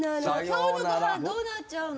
今日のごはんどうなっちゃうの？